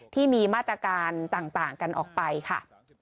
ที่มีมาตรการต่างกันออกไปค่ะ